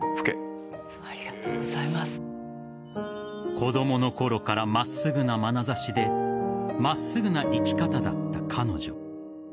子供のころから真っすぐなまなざしで真っすぐな生き方だった彼女。